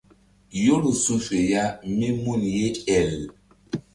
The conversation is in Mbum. Yoro su̧ fe ya mí mun ye el.